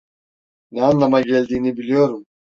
Ne anlama geldiğini biliyorum.